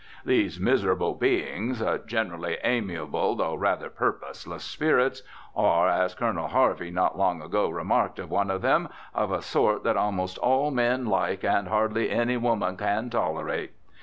These miserable beings, generally amiable though rather purposeless spirits, are, as Colonel Harvey not long ago remarked of one of them, of a sort that almost all men like and hardly any woman can tolerate.